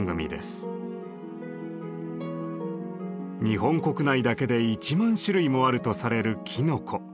日本国内だけで１万種類もあるとされるきのこ。